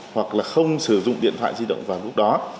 hoặc là không sử dụng điện thoại di động vào lúc đó